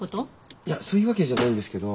いやそういうわけじゃないんですけど。